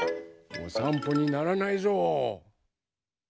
おさんぽにならないぞう！